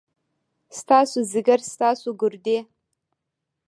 ستاسو ځيګر ، ستاسو ګردې ،